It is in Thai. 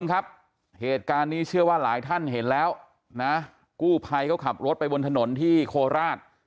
ครับเหตุการณ์นี้เชื่อว่าหลายท่านเห็นแล้วนะกู้ภัยเขาขับรถไปบนถนนที่โคราช